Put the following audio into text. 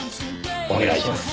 お願いします。